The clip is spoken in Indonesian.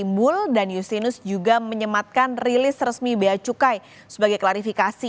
timbul dan justinus juga menyematkan rilis resmi bea cukai sebagai klarifikasi